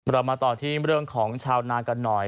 เรามาต่อที่เรื่องของชาวนากันหน่อย